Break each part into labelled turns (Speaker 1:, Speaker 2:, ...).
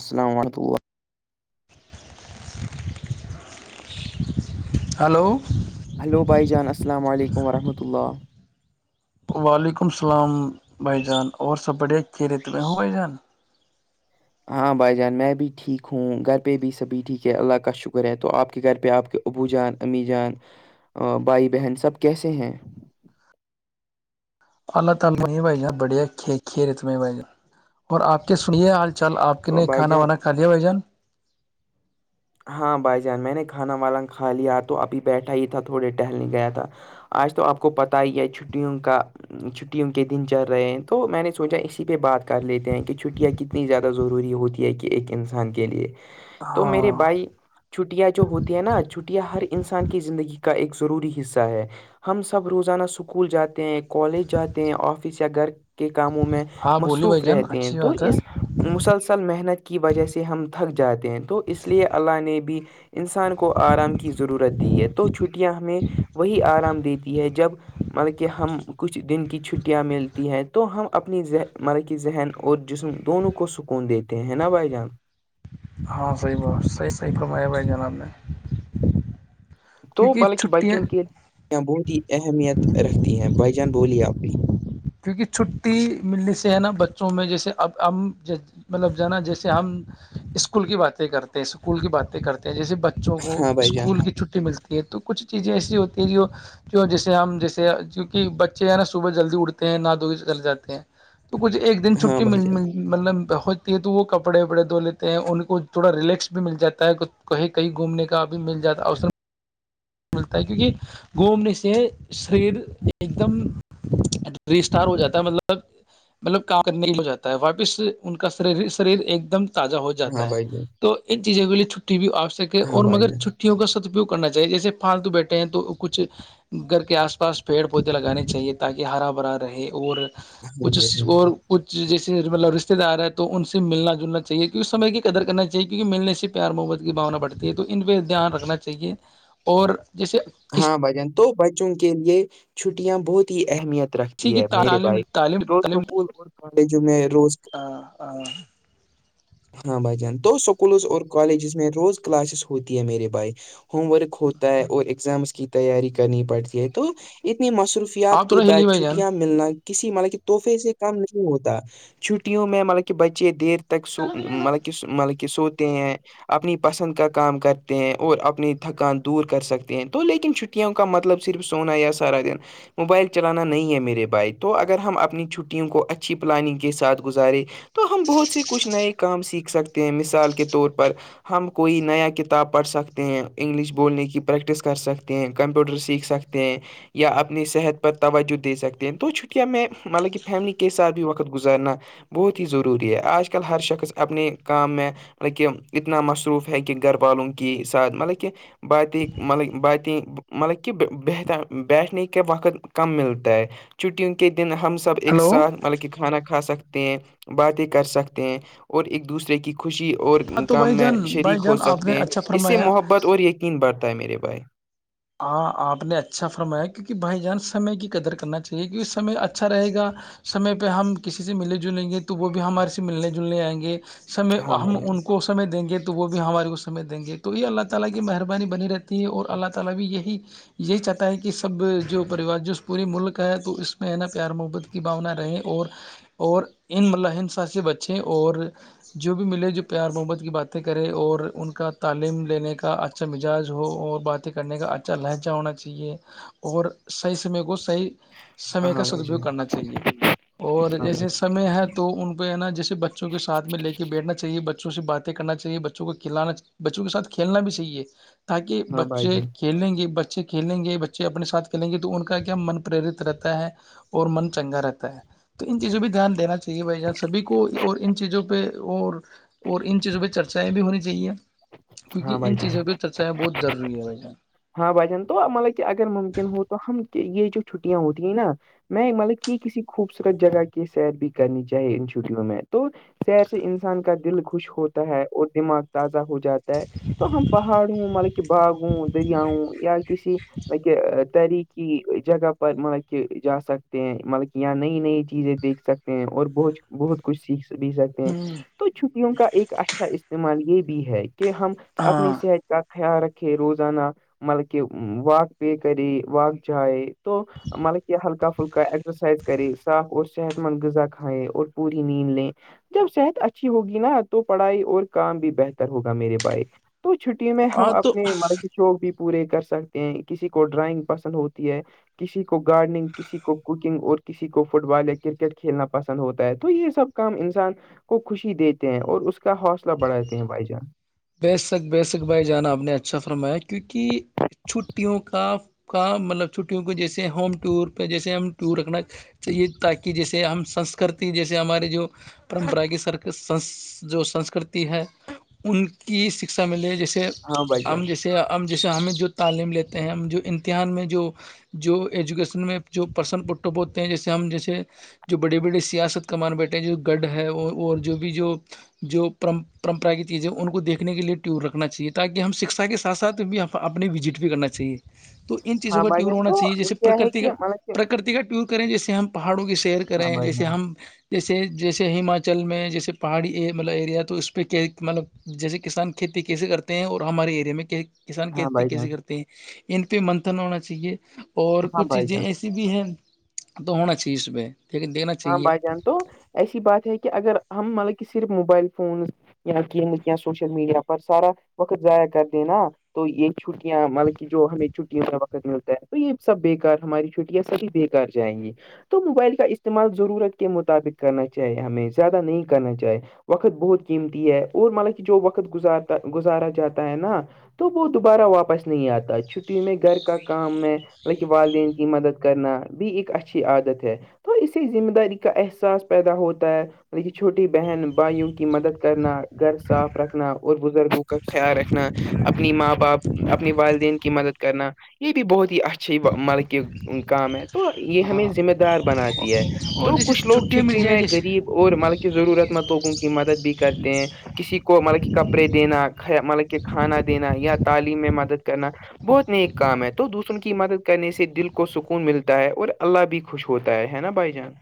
Speaker 1: السلام علیکم
Speaker 2: hello
Speaker 1: hello بھائی جان السلام علیکم ورحمۃ اللہ
Speaker 2: وعلیکم السلام بھائی جان اور سب بڑھیا خیریت میں ہ بھائی جان
Speaker 1: ہاں بھائی جان میں بھی ٹھیک ہوں گھر پہ بھی سبھی ٹھیک ہے اللہ کا شکر ہے تو آپ کے گھر پہ آپ کے ابو جان امی جان بھائی بہن سب کیسے ہیں
Speaker 2: [unintelligible] سنیے حال چال آپ کے
Speaker 1: تو
Speaker 2: نے
Speaker 1: بھائی
Speaker 2: کھانا
Speaker 1: جان
Speaker 2: وانا کا لیا بھائی جان
Speaker 1: ہاں بھائی جان میں نے کھانا والا کھا لیا تو ابھی بیٹھا ہی تھا تھوڑے ٹہلنے گیا تھا آج تو آپ کو پتہ ہی ہے چھٹیوں کا چھٹیوں کے دن چل رہے ہیں تو میں نے سوچا اسی پہ بات کر لیتے ہیں کہ چھٹیاں ک اتنی زیادہ ضروری ہوتی ہے کہ ایک انسان کے لیے تو میرے
Speaker 2: ہاں
Speaker 1: بھائی چھٹیاں جو ہوتی ہے نا چھٹیاں ہر انسان کی زندگی کا ایک ضروری حصہ ہے ہم سب روزانہ اسکول جاتے ہیں کالج جاتے ہیں آفس یا گھر کے کاموں میں
Speaker 2: ہاں بولی بھائی
Speaker 1: مصروف
Speaker 2: جان
Speaker 1: رہتے ہیں
Speaker 2: اچھی
Speaker 1: تو
Speaker 2: بات ہے
Speaker 1: اس مسلسل محنت کی وجہ سے ہم تھک جاتے ہیں تو اس لیے اللہ نے بھی انسان کو آرام کی ضرورت دی ہے تو چھٹیاں ہمیں وہی آرام دیتی ہے جب مطلب کہ ہم کچھ دن کی چھٹیاں ملتی ہیں تو ہم اپنیذ مطلب کہ ذہن اور جسم دونوں کو سکون دیتے ہیں نا بھائی جان
Speaker 2: ہاں صحیح ب صحیح صح ک میں اب ہے جناب نہیں
Speaker 1: تو بلکہ بچوں کی بہت ہی اہمیت رکھتی ہیں بھائی جان بولی آپنی
Speaker 2: کیونکہ چھٹی ملنے سے ہے نا بچوں میں جیسے اب ہم مطلب ج نا جیسے ہم اسکول کی باتیں کرتے ہیں اسکول کی باتیں کرتے ہیں جیسے بچ بچوں کو
Speaker 1: ہاں بھائی جان
Speaker 2: اسکول کی چھٹی ملتی تو کچھ چیزیں ایسی ہوتی ہیں جو جو جیسے ہم جیسے کی کہ بچے ہیں نا صبح جلدی اٹھتے ہیں نادو چل جے ہیں تو کچھ ایک دن
Speaker 1: ہاں
Speaker 2: چھٹی
Speaker 1: بھائی
Speaker 2: مل
Speaker 1: جان
Speaker 2: مل گ مطلب ہوتی ہے تو وہ کپڑے وپڑے دھو لیتے ہیں ان کو تھوڑا ریلیکس بھی مل جاتا ہے کہیں کہیں گھومنے کا بھی مل جا اس میں ملتا ہے کیونکہ گھومنے سے شریر ایک دم رسترت ہو جاتا ہے مطلب مطلب کام کرنے کے لگ جاتا ہے واپس ان کا شریر ایک دم تازہ ہو
Speaker 1: ہاں
Speaker 2: جاتا ہے
Speaker 1: بھائی جان
Speaker 2: تو ان چیزوں کے لیے چھٹی بھی آپ سکے
Speaker 1: ہاں
Speaker 2: اور
Speaker 1: بھائی
Speaker 2: مگر
Speaker 1: جان
Speaker 2: چھٹیوں کا سدوپیوگ کرنا چاہیے جیسے پالتو بیٹھے ہیں تو کچھ گھر کے آس پاس پیڑ پودے لگانے چاہیے تاکہ ہرا بھرا رہے اور
Speaker 1: ہاں بھائی
Speaker 2: کچھ
Speaker 1: جان
Speaker 2: اور کچھ جیسے مطلب رشتے دار ہیں تو ان سے ملنا جلنا چاہیے کیکہ سمے کی قدر کرنا چاہیے کیونکہ ملنے سے پیار محبت کی بھونا بڑھتی ہے تو ان پہ دھیان رکھنا چاہیے اور جیسے
Speaker 1: ہاں بھجن تو بچوں کے لیے چھٹیاں بہت ہی اہمیت
Speaker 2: کسی
Speaker 1: رکھتی
Speaker 2: کی
Speaker 1: ہے میرے
Speaker 2: تعلیم
Speaker 1: بھائی
Speaker 2: تعلیم
Speaker 1: تو
Speaker 2: تعلیم
Speaker 1: سکول اور کالجوں میں روز [inaudible] ہاں بھائی جان دو اسکولز اور کالجز میں روز کلاسز ہوتی ہے میرے بھائی ہوم ورک ہوتا ہے اور اگزامس کی تیاری کرنی پڑتی ہے تو اتنی مصروف
Speaker 2: آپ
Speaker 1: کے
Speaker 2: تھوڑا ہلی
Speaker 1: بعد
Speaker 2: بھائی
Speaker 1: چھٹیاں ملنا کسی مطلب کہ تحفے سے کم نہیں ہوتا چھٹیوں میں مطلب کہ بچے دیر تک سو
Speaker 2: جان
Speaker 1: مطلب کہ مطلب کہ سوتے ہیں اپنی پسند کا کام کرتے ہیں اور اپنی تھکان دور کر سکتے ہیں تو لیکن چھٹیوں کا مطلب صرف سونا یہ سارا دن موبائل چلانا نہیں ہے میرے بھائی تو اگر ہم اپنی چھٹیوں کو اچھی پلاننگ ساتھ گزارے تو ہم بہت سے کچھ نئے کام سیکھ سکتے ہیں مثال کے طور پر ہم کوئی نیا کتاب پڑھ سکتے ہیں انگلش بولنے کی پریکٹس کر سکتے ہیں کمپیوٹر سیکھ سکتے ہیں یا اپنی صحت پر توجہ دے سکتے ہیں تو چھٹیاں میں مطلب کہ فیملی کے ساتھ بھی وقت گزارنا بہت ہی ضروری ہے آج کل ہر شخص اپنے کام میں مطلب کہ اتنا مصروف ہے کہ گھر والوں کی ساتھ مطلب کہ بات ہی مطلب باتیں مطلب کہ ب بیٹھنے کے وقت کم ملتا ہے چھٹیوں کے دن ہم سب ب ایک
Speaker 2: ہلو
Speaker 1: ساتھ مطلب کہ کھانا کھا سکتے ہیں باتیں کر سکتے ہیں اور ایک دوسرے کی خوشی اور
Speaker 2: ہاں تو
Speaker 1: کام
Speaker 2: بھائی
Speaker 1: میں
Speaker 2: جان بھائی
Speaker 1: شریک ہو
Speaker 2: جان آپ
Speaker 1: سکتے
Speaker 2: نے
Speaker 1: ہیں
Speaker 2: اچھا
Speaker 1: اس سے
Speaker 2: فرمایا
Speaker 1: محبت اور یقین بڑھتا ہے میرے بھائی
Speaker 2: ہاں آپ نے اچھا فرمایا کیونکہ بھائی جان سمے کی قدر کرنا چاہیے کیونکہ سمے اچھا رہے گا سمے پہ ہم کسی سے ملے جلیں گے تو وہ بھی ہمارے سے ملنے جلنے آئیں گے سمے
Speaker 1: ہاں
Speaker 2: ہم
Speaker 1: بھائی
Speaker 2: ان کو سمعے دیں گے تو وہ بھی ہمارے کو سمجے دیں گے تو یہ اللہ تلا کی مہربانی بنی رہتی ہے اور اللہ طلب بھی یہی یہی چاہتا ہے کہ سب جو پریوار جو پورے ملک ہے تو اس میں ہے نا پیار محبت بھاونا رہے اور اور ان م ہنسا سے بچے اور جو بھی ملے جو پیار محبت کی باتیں کرے اور ان کا تعلیم لینے کا اچھا مزاج ہو اور بات کرنے کا اچھا لہجہ ہونا چاہیے اور صحیح سمے کو صحیح سمے
Speaker 1: جان
Speaker 2: کا
Speaker 1: ہاں بھائی
Speaker 2: صدوپیوگ
Speaker 1: جان
Speaker 2: کرنا چاہیے اور
Speaker 1: ہاں بھائی
Speaker 2: جیسے سمے ہے تو ان پہ ہے نا جیسے بچوں کے ساتھ میں لے کے بیٹھنا چاہیے بچوں سے باتیں کرنا چاہیے بچوں کو کھلانا بچوں کے ساتھ کھیلنا بھی صحیح ہے تاکہ ب
Speaker 1: ہاں بھائی جان
Speaker 2: کھیلیں گے بچے کھیلیں گے بچے اپنے ساتھ کھیلیں گے تو ان کا کیا من پرییرت رہتا ہے اور من چنگا رہتا ہے تو ان چیزوں پہ دھیان دینا چاہیے بھائی جاں سبھی کو اور ان چیزوں پہ اور اور ان چیزوں پہ چرچائیں بھی ہونی چاہیے
Speaker 1: ہاں
Speaker 2: کیونکہ
Speaker 1: بھائی
Speaker 2: ان
Speaker 1: جان
Speaker 2: چیزوں پہ چرچائیں بہت ضروری ہے بھائی جان
Speaker 1: ہاں بھجن تو مطلب کہ اگر ممکن ہو تو ہم یہ جو چھٹیاں ہوتی ہیں نا میں مطلب کہ کسی خوبصورت جگہ کے سیر بھی کرنی چاہیے ان شوٹییو میں تو سیر سے انسان کا دل خوش ہوتا ہے اور دماغ تازہ ہو جاتا ہے تو ہم پہاڑوں مطلب کہ باغوں دریاؤوں یا کسی کہ تحریکی جگہ پر مطلب کہ جا سکتے ہیں مطلب کہ یہاں نئی نئی چیزیں دیکھ سکتے اور بہت بہت کچھ سیکھ بھی سکتے ہیں
Speaker 2: ہوں
Speaker 1: تو چھپیوں کا ایک اچھا استعمال یہ بھی ہے کہ ہم اپنی
Speaker 2: ہاں
Speaker 1: صحت کا خیال رکھے روز زانا مطلبکہ واک پ کرے واک چاہے تو مط کی ہلکا فلکا اسرسائز کرے صاف اور صحت مند غذا کھائیں اور پوری نیند لیں جب صحت اچھی ہوگی نا تو پڑھائی اور کام بھی بہتر ہوگا میرے باعک تو چھٹی میں ہم
Speaker 2: ہاں تو
Speaker 1: اپنے مر شوق بھی پورے کر سکتے ہیں کسی کو ڈرائنگ پسند ہوتی ہے کسی کو گارڈننگ کسی کو کوکنگ اور کسی کو فٹ بال یا کرکٹ کھیلنا پسند ہوتا ہے تو یہ سب کام انسان کو خوشی دیتے ہیں اور اس کا حوصلہ بڑھاتے ہیں بھائی جان
Speaker 2: بےسک بےسک بھائی جانا آپ نے اچھا فرمایا کیونکہ چھٹیوں کا کا مطلب چھٹیوں کو جیسے ہوم ٹور پہ جیسے ہم ٹور رکھنا چاہیے تاکہ جیسے ہم سنسکرتی جیسے ہمارے جو پرمپرا کی سر جو سنسکرتی ہے ان کہ شکھا ملے جیسے
Speaker 1: ہاں بھائی
Speaker 2: ہم
Speaker 1: جان
Speaker 2: جیسے ہم جیسے ہمیں جو تعلیم لیتے ہیں ہم جو امتحان میں جو جو ایجوکیشن میں جو پرسن پٹو ب ہوتے ہیں جیسے ہم جیسے جو بڑے بڑے سیاست کا مان بیٹھے ہیں جو گڑھ ہے اور جو بھی جو جو پرمپرا کی چیزیں ان کو دیکھ سکھنے کے لیے ٹور رکھنا چاہیے تاکہ ہم شکھا کے ساتھ ساتھ بھی اپنے وزٹ بھی کرنا چاہیے تو ان چیزوں
Speaker 1: ہاں
Speaker 2: کا
Speaker 1: بھائی
Speaker 2: ٹیور
Speaker 1: جان
Speaker 2: ہونا
Speaker 1: تو
Speaker 2: چاہیے جیسے
Speaker 1: کیا ہے
Speaker 2: پرکرتی کا
Speaker 1: کہ مطلب کہ
Speaker 2: پرکرتی کا ٹیور کریں جیسے ہم پہاڑوں کی سیر کریں جیسے ہم جیسے جیسے ہماچل میں جیسے پہاڑی مطلب ایریا تو اس پہ کیا مطلب جیسے کسان کھیتی کیسے کرتے ہیں اور ہمارے ایریا میں کسان کھیتی کیسے کرتے ہیں ان پہ منتن ہونا چاہیے اور کچھ چیزیں ایسی بھی ہے تو ہونا چاہیے اس میں
Speaker 1: ہاں بھائی جان تو ایسی بات ہے کہ اگر ہم مطلب کہ صرف موبائل فون یا قیمت سوشل میڈیا پر سارا وقت ضائع کر دینا تو یہ چھٹیاں مطلب کہ جو ہمیں چھٹیوں میں وقت ملتا ہے تو یہ سب بےیکار ہماری چھٹیاں سبھی بےیکار کر جائیں گی تو موبائل کا اس استعمال ضرورت کے مطابق کرنا چاہیے ہمیں زیادہ نہیں کرنا چاہی وقت بہت قیمتی ہے اور مطلب کہ جو وقت گزارتا گزارا جاتا ہے نا تو وہ دوبارہ واپس نہیں آتا چھٹی میں گھر کا کام ہے لک والدین کی مدد کرنا بھی ایک اچھی عادت ہے اسے ذمہ داری کا احساس پیدا ہوتا ہے ط کہ چھوٹی بہن بھائیوں کی مدد کرنا گھر صاف رکھنا اور بزرگوں کا خیال رکھنا اپنی ماں باپ اپنی والدین کی مدد کرنا یہ بھی بہت ہی اچھھی مل کے کام ہے تو یہ ہمیں
Speaker 2: ہاں
Speaker 1: ذمہ دار بناتی ہے
Speaker 2: اور
Speaker 1: تو
Speaker 2: جیسے
Speaker 1: کچھ لوگ
Speaker 2: چھٹیاں مل
Speaker 1: چھٹی
Speaker 2: جائے
Speaker 1: میں
Speaker 2: جیسے
Speaker 1: غریب اور مطلب کہ ضرورت مند لوگوں کی مدد بھی کرتے ہیں کسی کو مطلب کہ کپڑے دینا مطلب کہ کھانا دینا یا تعلیم میں مدد کرنا بہت نیک کام ہے تو دوسروں کی مدد کرنے سے دل کو سکون ملتا ہے اور اللہ بھی خوش ہوتا ہے ہے نا بھائی جان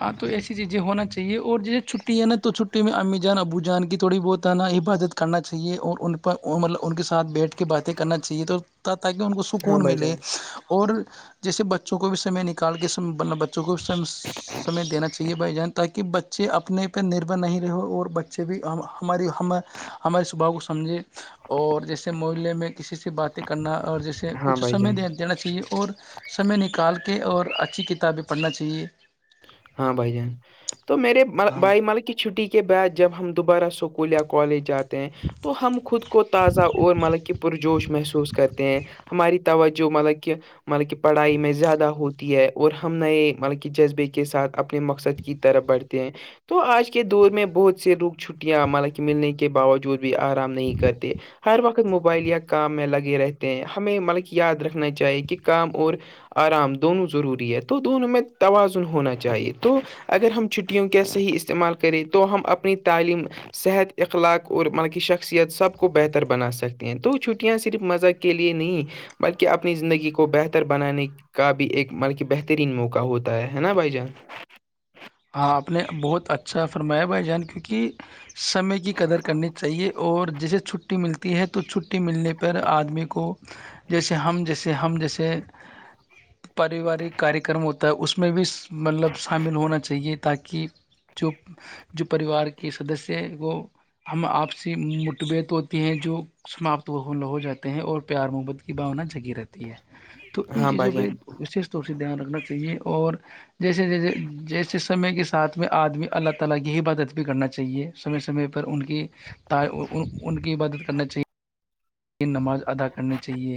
Speaker 2: ہاں تو ایسی چیزیں ہونا چاہیے اور جیے چھٹی ہے نا تو چھٹی میں امی جان ابو جان کی تھوڑی بہت ہے نا عبادت کرنا چاہیے اور ان پر مطلب ان کے ساتھ بیٹھ کے باتیں کرنا چاہیے تو تاکہ ان کو
Speaker 1: ہاں
Speaker 2: سکون
Speaker 1: بھائی
Speaker 2: ملے
Speaker 1: جان
Speaker 2: اور اور جیسے بچوں کو بھی سمے نکال کے سم بچوں کو بھی سم
Speaker 1: [inaudible]
Speaker 2: ہمیں دینا چاہیے بھائی جان تاکہ بچے اپنے پہ نربھر نہیں رہ اور بچے بھی ہماری ہم ہمارے سباؤ کو سمجھے اور جیسے محے میں کسی سے باتیں کرنا اور جیسے
Speaker 1: ہاں
Speaker 2: کچھ
Speaker 1: بھائی جان
Speaker 2: سمے دے دینا چاہیے اور سمے نکال کے اور اچھی کتابیں پڑھنا چاہیے
Speaker 1: ہاں بھائی جان تو میرے
Speaker 2: ہاں
Speaker 1: بھائی ملک کی چھٹی کے بعد جب ہم دوبارہ اسکول یا کالج جاتے ہیں تو ہم خود کو تازہ اور مطلب کہ پرجوش محسوس کرتے ہیں ہماری توجہ مطلب کہ مطلب کہ پڑھائی میں زیادہ ہوتی ہے اور ہم نئے مطلب کہ جذبے کی کے ساتھ اپنے مقصد کی طرف بڑھتے ہیں تو آج کے دور میں بہت سے لوگ چھٹیاں مطالا کہ ملنے کے باوجود بھی آرام نہیں کرتے ہر وقت موبائل یا کام میں لگے رہتے ہیں ہمیں مطلبک یاد رکھنا چاہیے کہ کام اور آرام دونوں ضروری ہے تو دونوں میں تواز ہونا چاہیے تو اگر ہم چھٹیوں کا صحیح استعمال کریں تو ہم اپنی تعلیم صحت اخلاق اور مطلب کی شخصیت سب کو بہتر بنا سکتی ہیں تو چھٹیاں صرف مزہ کی کے لیے نہیں بلکہ اپنی زندگی کو بہتر بنانے کا بھی ایک بلکہ بہترین موقع ہوتا ہے ہے نا بھائی جان
Speaker 2: ہاں اپنے بہت اچھا فرمایا بھائی جان کیونکہ سمے کی قدر کرنی چاہیے اور جسے چھ چھٹی ملتی ہے تو چھٹی ملنے پر آدمی کو جیسے ہم جیسے ہم جیسے پاروارک کاریہ کررم ہوتا ہے اس میں بھی مطلب شامل ہونا چاہیے تاکہ جو جو پریوار کے سدسیہ ہے وہ ہم آپسی متبیعت ہوتے ہیں جو سماپت وغول ہو جاتے ہیں اور پیار محبت کی بھانا جگی رہتی ہے ہے تو ان
Speaker 1: ہاں
Speaker 2: چیزوں
Speaker 1: بھائی جان
Speaker 2: پہ وشیش طور سے دھیان رکھنا چاہیے اور جیسے جیسے جیسے سمے کے ساتھ میں آدمی اللہ تعالی کی عبادت بھی کرنی چاہیے سمے سمے پر ان کی ان کی عبادت کرنا چاہیے نماز ادا کرنی چاہیے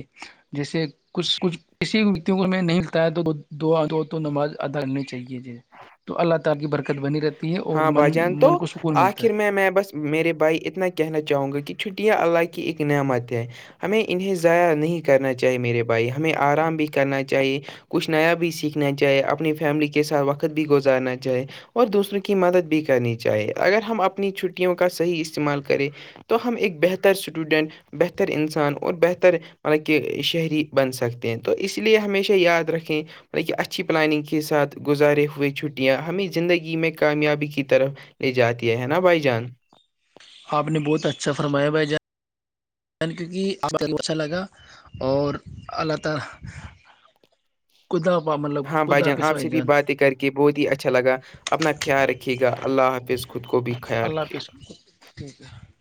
Speaker 2: جیسے کچھ کچھ کسی نہیں لتا ہے تو دعا نماز ادا نہیں چاہیے تو اللہ تعالی کی برکت بنی رہتی ہے اور
Speaker 1: ہاں بھائی
Speaker 2: من
Speaker 1: جان تو
Speaker 2: من کو سکون ملتا
Speaker 1: آخر
Speaker 2: ہے
Speaker 1: میں میں بس میرے بھائی اتنا کہنا چاہوں گا کہ چھٹیا کی ایک نعمت ہے ہمیں انہیں ضائع نہیں کرنا چاہیے میرے بھائی ہمیں آرام بھی کرنا چاہیے کچھ نیا بھی سیکھنا چاہے اپنی فیملی کے ساتھ وقت بھی گزارنا چاہے اور دوسرے کی مدد بھی کرنی چاہیے اگر ہم اپنی چھٹیوں کا صحیح استعمال کریں تو ہم ایک بہتر اسٹوڈنٹ بہتر انسان اور بہتر مطلب کہ شہری بن سکتے ہیں تو اس لیے ہمیشہ یاد رکھیں بطل کہ اچھی پلاننگ کے ساتھ گزارے ہوئے چھٹیاں ہمیں زندگی میں کامیابی کی طرف لے جاتی ہے نا بھائی جان
Speaker 2: آپ نے بہت اچھا فرمایا بھائی جان کیونکہ آپ اچھا لگا اور اللہ تعالی
Speaker 1: [inaudible]
Speaker 2: ک آ مطلب [unintelligible]
Speaker 1: ہاں بھائی جان آپ سے بھی باتیں کر کے بہت ہی اچھا لگا اپنا خیال رکھیے گا اللہ حافظ کو خود کو بھی خیال
Speaker 2: اللہ
Speaker 1: کیا
Speaker 2: حافظ ٹھیک ہے